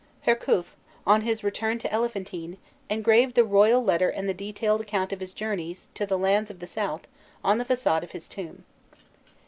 Hirkhûf, on his return to Elephantine, engraved the royal letter and the detailed account of his journeys to the lands of the south, on the façade of his tomb.